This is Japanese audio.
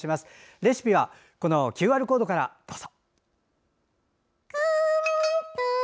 レシピはＱＲコードからどうぞ。